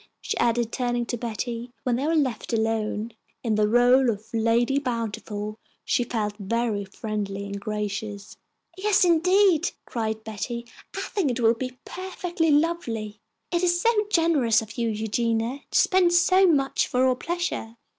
she added, turning to Betty, when they were left alone. In the rôle of Lady Bountiful she felt very friendly and gracious. "Yes, indeed!" cried Betty. "I think it will be perfectly lovely. It is so generous of you, Eugenia, to spend so much for our pleasure!"